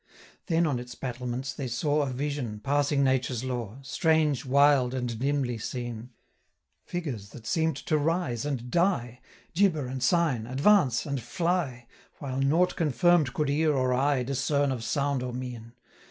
Then on its battlements they saw A vision, passing Nature's law, Strange, wild, and dimly seen; 720 Figures that seem'd to rise and die, Gibber and sign, advance and fly, While nought confirm'd could ear or eye Discern of sound or mien.